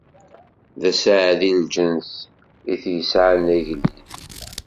D aseɛdi lǧens i t-yesɛan d agellid.